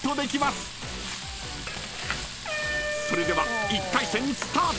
［それでは１回戦スタート！］